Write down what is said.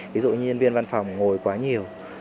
ví dụ như nhân viên văn phòng ngồi quá nhiều